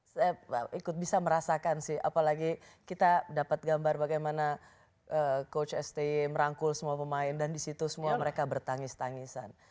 saya ikut bisa merasakan sih apalagi kita dapat gambar bagaimana coach sty merangkul semua pemain dan disitu semua mereka bertangis tangisan